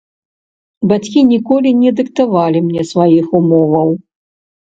Бацькі ніколі не дыктавалі мне сваіх умоваў.